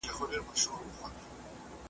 نعمتونه وه پرېمانه هر څه ښه وه .